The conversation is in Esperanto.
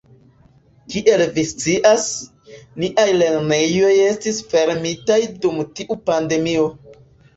Kiel vi scias, niaj lernejoj estis fermitaj dum tiu pandemio.